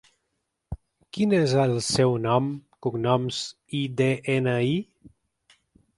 Quin és el seu nom, cognoms i de-ena-i?